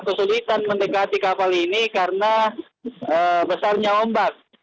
kesulitan mendekati kapal ini karena besarnya ombak